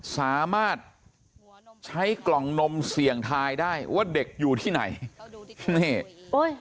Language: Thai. สามารถใช้กล่องนมเสี่ยงทายได้ว่าเด็กอยู่ที่ไหนนี่โอ้ย